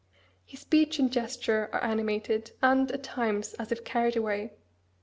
His speech and gesture are animated, and, at times, as if carried away.